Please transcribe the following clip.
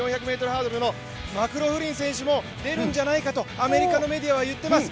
４００ｍハードルのマクローフリン選手も出るんじゃないかとアメリカのメディアは言っています。